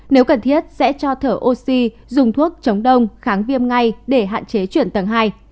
nếu cần thiết sẽ cho thở oxy dùng thuốc chống đông kháng viêm ngay để hạn chế chuyển tầng hai